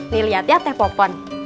nih lihat ya teh popon